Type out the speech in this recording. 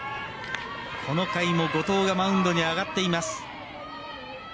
この回も後藤がマウンドに上がっています。